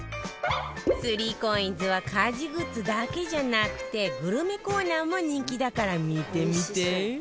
３ＣＯＩＮＳ は家事グッズだけじゃなくてグルメコーナーも人気だから見てみて